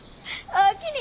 おおきに！